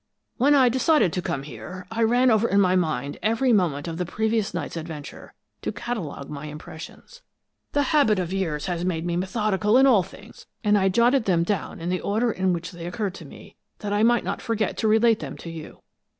"When I decided to come here, I ran over in my mind every moment of the previous night's adventure, to catalogue my impressions. The habit of years has made me methodical in all things, and I jotted them down in the order in which they occurred to me, that I might not forget to relate them to you.